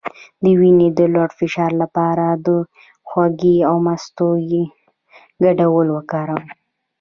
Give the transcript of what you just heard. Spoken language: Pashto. د وینې د لوړ فشار لپاره د هوږې او مستو ګډول وکاروئ